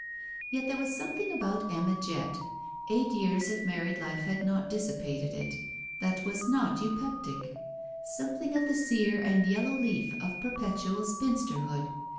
Yet there was something about Emma Jett — eight years of married life had not dissipated it — that was not eupeptic; something of the sear and yellow leaf of perpetual spinsterhood.